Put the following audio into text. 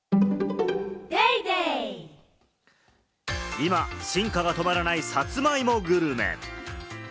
今、進化がとまらない、さつまいもグルメ。